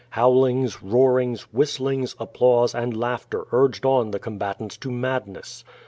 Ilowlings, roarings, whistlings, applause and laughter urged on tlie combatants to madness.